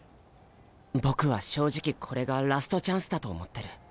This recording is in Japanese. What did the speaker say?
僕は正直これがラストチャンスだと思ってる。